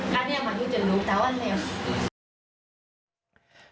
ครานนี้มันจะลุกแต่ไว้แล้ว